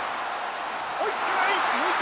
追いつかない。